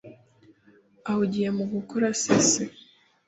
ahugiye mu gukora se se.